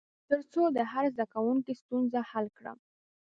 تر څو د هر زده کوونکي ستونزه حل کړم.